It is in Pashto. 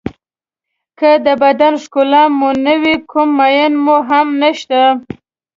که د بدن ښکلا مو نه وي کوم مېن مو هم نشته.